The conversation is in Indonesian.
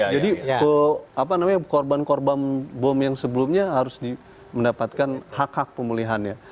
jadi korban korban bom yang sebelumnya harus mendapatkan hak hak pemulihannya